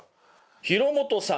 廣本さん